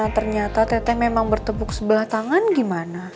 ternyata teteh memang bertepuk sebelah tangan gimana